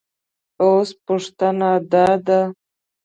اوس پوښتنه دا ده